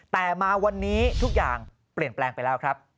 แต่มาวันนี้ทุกอย่างเปลี่ยนแปลงไปแล้วครับ